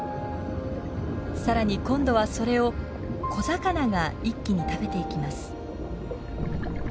更に今度はそれを小魚が一気に食べていきます。